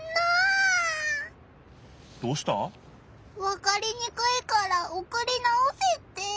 わかりにくいからおくり直せって。